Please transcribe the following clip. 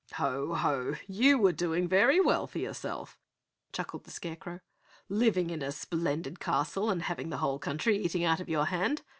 "Ho ho! You were doing very well for yourself!" chuckled the Scarecrow, "living in a splendid castle and having the whole country eating out of your hand.